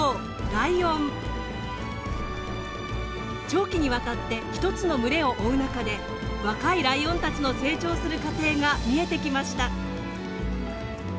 長期にわたって１つの群れを追う中で若いライオンたちの成長する過程が見えてきました。